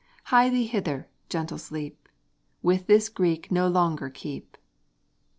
Hie thee hither, gentle sleep: With this Greek no longer keep.